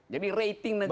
jadi rating negara